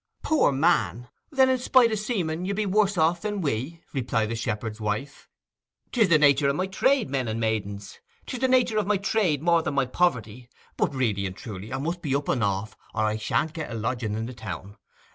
'Poor man! Then, in spite o' seeming, you be worse off than we?' replied the shepherd's wife. ''Tis the nature of my trade, men and maidens. 'Tis the nature of my trade more than my poverty ... But really and truly I must up and off, or I shan't get a lodging in the town.